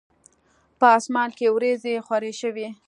په اسمان کې وریځي خوری شوی